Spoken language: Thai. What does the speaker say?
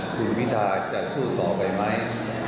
คุณพิทาจะสู้ต่อไปไหม